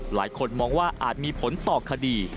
หลายคนมองว่าอาจมีผลต่อคดี